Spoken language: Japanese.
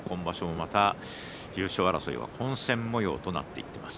また優勝争い混戦もようとなっています。